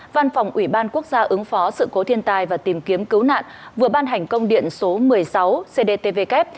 văn phòng ủy ban quốc gia ứng phó sự cố thiên tai và tìm kiếm cứu nạn vừa ban hành công điện số một mươi sáu cdtvk